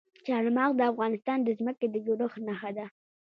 چار مغز د افغانستان د ځمکې د جوړښت نښه ده.